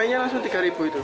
naiknya langsung rp tiga itu